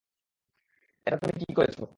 এটা তুমি কি করেছ?